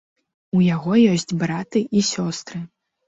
У яго ёсць браты і сёстры.